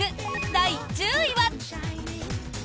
第１０位は。